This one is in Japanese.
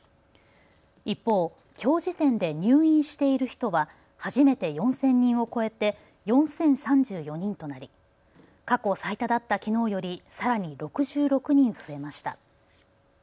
一方、きょう時点で入院している人は初めて４０００人を超えて４０３４人となり過去最多だったきのうよりさらに６６人増えました。